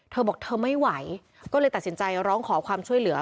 เธอบอกเธอไม่ไหวก็เลยตัดสินใจร้องขอความช่วยเหลือ